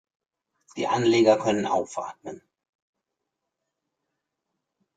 Die Anleger können aufatmen.